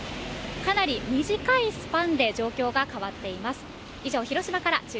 かなり短いスパンで状況が変わっています。